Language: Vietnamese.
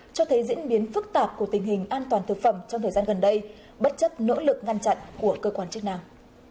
cho thấy diễn biến phức tạp của tình hình an toàn thực phẩm trong thời gian gần đây bất chấp nỗ lực ngăn chặn của cơ quan chức năng